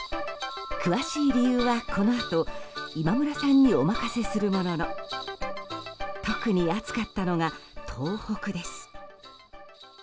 詳しい理由は、このあと今村さんにお任せするものの特に暑かったのが東北です。